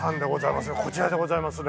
こちらでございますね。